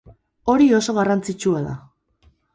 Hori oso garantzitsua da.